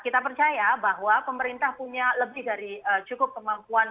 kita percaya bahwa pemerintah punya lebih dari cukup kemampuan